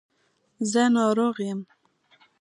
زه ناروغ یم.